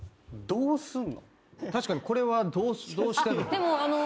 確かにこれはどうしてるの？